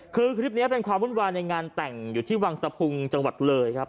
คือคลิปนี้เป็นความวุ่นวายในงานแต่งอยู่ที่วังสะพุงจังหวัดเลยครับ